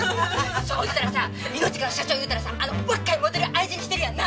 そうしたらさニノチカの社長いうたらさあの若いモデル愛人にしてるやんな。